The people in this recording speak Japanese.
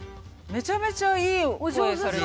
めちゃめちゃいいお声されてるし。